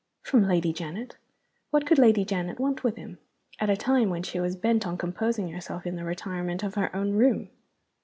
(From Lady Janet! What could Lady Janet want with him, at a time when she was bent on composing herself in the retirement of her own room?)